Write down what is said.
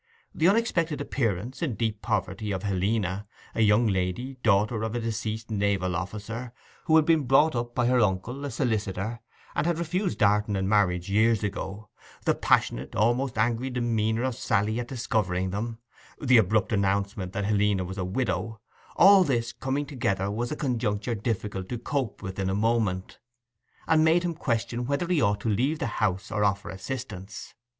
The unexpected appearance, in deep poverty, of Helena—a young lady, daughter of a deceased naval officer, who had been brought up by her uncle, a solicitor, and had refused Darton in marriage years ago—the passionate, almost angry demeanour of Sally at discovering them, the abrupt announcement that Helena was a widow; all this coming together was a conjuncture difficult to cope with in a moment, and made him question whether he ought to leave the house or offer assistance.